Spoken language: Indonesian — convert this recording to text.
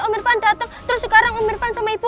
om irfan dateng terus sekarang om irfan sama ibu